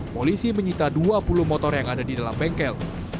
polisi menyita dua puluh motor yang ada di dalam bengkel